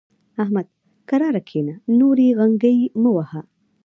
احمد؛ کرار کېنه ـ نورې غنګۍ مه وهه.